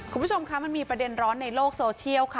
คุณผู้ชมคะมันมีประเด็นร้อนในโลกโซเชียลค่ะ